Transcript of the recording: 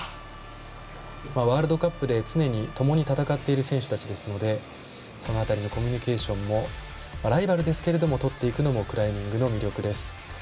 ワールドカップで常に、ともに戦っている選手たちですのでその辺りのコミュニケーションもライバルですけれどもとっていくのもクライミングの魅力です。